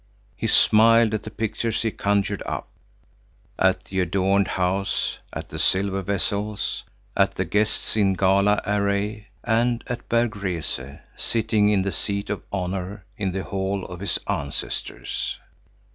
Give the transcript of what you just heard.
He smiled at the pictures he conjured up: at the adorned house, at the silver vessels, at the guests in gala array and at Berg Rese, sitting in the seat of honor in the hall of his ancestors.